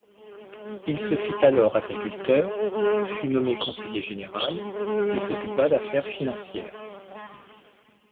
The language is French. Il se fit alors agriculteur, fut nommé conseiller général, et s’occupa d’affaires financières.